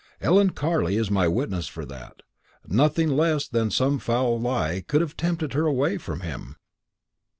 Ellen Carley is my witness for that; nothing less than some foul lie could have tempted her away from him."